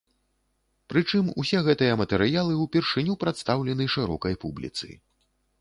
Прычым усе гэтыя матэрыялы ўпершыню прадстаўлены шырокай публіцы.